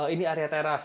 ini area teras